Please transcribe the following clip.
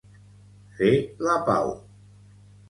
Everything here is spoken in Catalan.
Fer la pau.